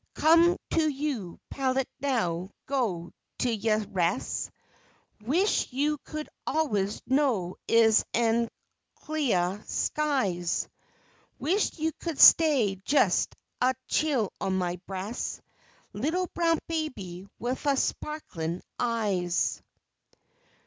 Come to you' pallet now go to you' res'; Wisht you could allus know ease an' cleah skies; Wisht you could stay jes' a chile on my breas' Little brown baby wif spa'klin' eyes!